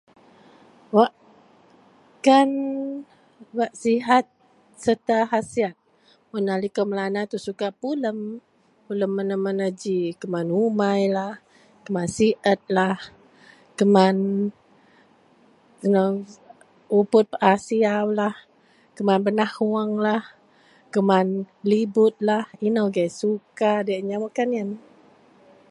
Wak kan sehat serta hasiyat mun liko Melanau suka pulem pulem mana mana ji keman umai lah keman siet lah keman ino ruput pa a siaw lah keman benahuong lah keman linut lah ino agei suka diyak nyam wak kan iyen